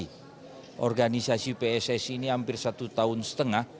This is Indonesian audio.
karena organisasi pssi ini hampir satu tahun setengah